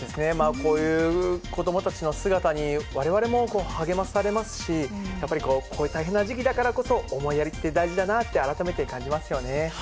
こういう子どもたちの姿にわれわれも励まされますし、やっぱりこう、こういう大変な時期だからこそ、思いやりって大事だなって、改めて感じますよね。